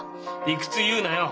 理屈言うなよ！